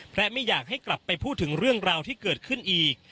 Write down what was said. และไม่อยากให้กลับไปพูดถึงเรื่องราวที่เกิดขึ้นอีก